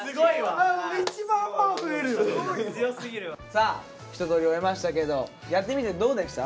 さあ一とおり終えましたけどやってみてどうでした？